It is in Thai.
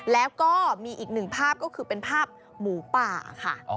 แล้วก็มีอีกหนึ่งภาพก็คือเป็นภาพหมูป่าค่ะ